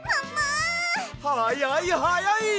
はやいはやい！